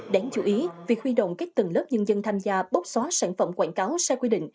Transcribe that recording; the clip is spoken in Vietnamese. đáng chú ý việc huy động các tầng lớp nhân dân tham gia bóc xóa sản phẩm quảng cáo sai quy định